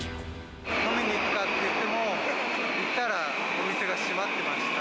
飲みに行くかっていっても、行ったら、お店が閉まってました。